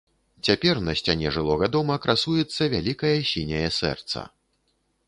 Цяпер на сцяне жылога дома красуецца вялікае сіняе сэрца.